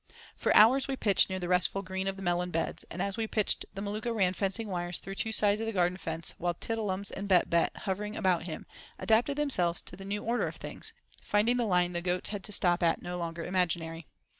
For hours we pitched near the restful green of the melon beds, and as we pitched the Maluka ran fencing wires through two sides of the garden fence, while Tiddle'ums and Bett Bett, hovering about him, adapted themselves to the new order of things, finding the line the goats had to stop at no longer imaginary.